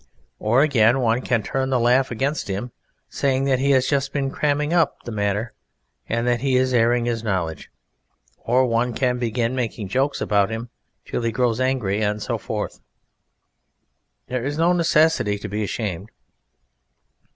Or, again, one can turn the laugh against him, saying that he has just been cramming up the matter, and that he is airing his knowledge; or one can begin making jokes about him till he grows angry, and so forth. There is no necessity to be ashamed.